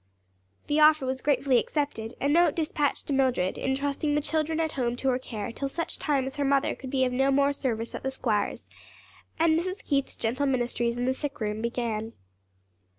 The offer was gratefully accepted, a note dispatched to Mildred, entrusting the children at home to her care till such time as her mother could be of no more service at the squire's, and Mrs. Keith's gentle ministries in the sick room began.